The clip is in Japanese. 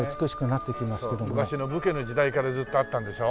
昔の武家の時代からずっとあったんでしょ？